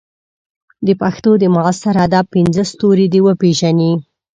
د پښتو د معاصر ادب پنځه ستوري دې وپېژني.